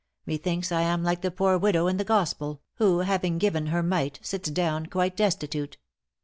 Methinks I am like the poor widow in the Gospel, who having given her mite, sits down quite destitute.